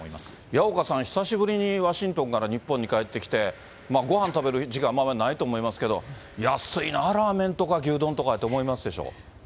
矢岡さん、久しぶりにワシントンから日本に帰ってきて、ごはん食べる時間あんまりないと思いますけど、安いなあ、ラーメンとか牛丼とかって思いますでしょ？